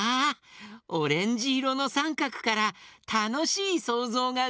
オレンジいろのさんかくからたのしいそうぞうがうまれた！